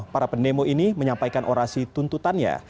para pendemo ini menyampaikan orasi tuntutannya